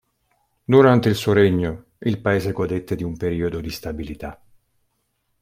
Durante il suo regno, il paese godette di un periodo di stabilità.